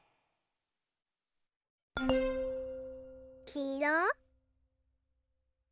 きいろ。